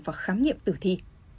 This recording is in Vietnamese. và khám nghiệm tử thi